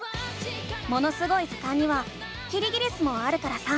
「ものすごい図鑑」にはキリギリスもあるからさ